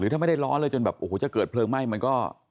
ถ้าไม่ได้ร้อนเลยจนแบบโอ้โหจะเกิดเพลิงไหม้มันก็